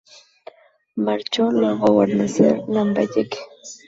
Marchó luego a guarnecer Lambayeque.